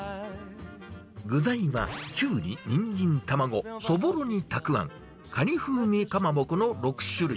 具材はキュウリ、ニンジン、卵、そぼろにたくあん、カニ風味かまぼこの６種類。